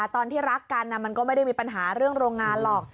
ตอนที่รักกันมันก็ไม่ได้มีปัญหาเรื่องโรงงานหรอก